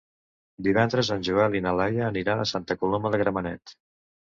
Divendres en Joel i na Laia aniran a Santa Coloma de Gramenet.